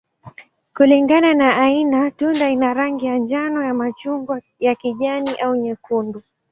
Kulingana na aina, tunda ina rangi ya njano, ya machungwa, ya kijani, au nyekundu.